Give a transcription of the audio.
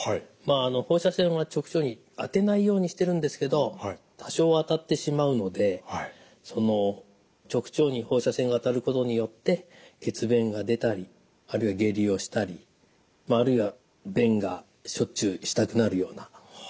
放射線は直腸に当てないようにしてるんですけど多少当たってしまうので直腸に放射線が当たることによって血便が出たりあるいは下痢をしたりあるいは便がしょっちゅうしたくなるようなことが起きます。